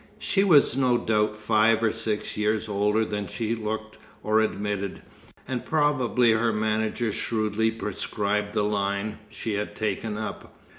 She was no doubt five or six years older than she looked or admitted, and probably her manager shrewdly prescribed the "line" she had taken up.